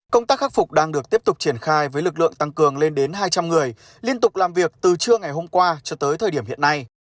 công tác khắc phục đang được tiếp tục triển khai với lực lượng tăng cường lên đến hai trăm linh người liên tục làm việc từ trưa ngày hôm qua cho tới thời điểm hiện nay